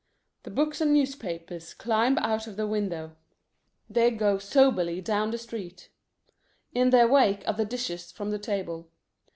The books and newspapers climb out of the window. They go soberly down the street. In their wake are the dishes from the table.